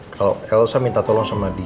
kalau elsa minta tolong sama dia